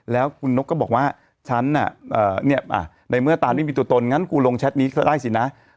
แล้วคุณนกก็บอกว่าฉันน่ะในเมื่อตานไม่มีตัวตนงั้นกูลงแชทนี้ก็ได้สินะ